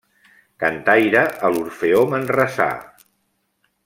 Cantaire a l'Orfeó Manresà.